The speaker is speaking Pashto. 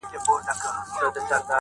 o انسان تر کاڼي کلک، تر گل نازک دئ٫